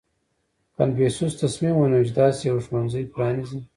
• کنفوسیوس تصمیم ونیو، چې داسې یو ښوونځی پرانېزي.